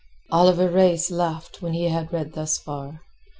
Oliver Reis laughed when he had read thus far.